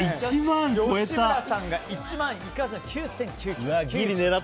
吉村さんが１万いかず９９９９円。